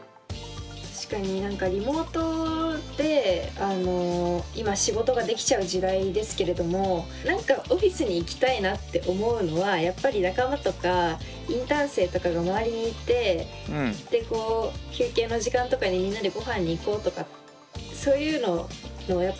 確かにリモートで今仕事ができちゃう時代ですけれども何かオフィスに行きたいなって思うのはやっぱり仲間とかインターン生とかが周りにいて休憩の時間とかにみんなでごはんに行こうとかそういうのをやっぱ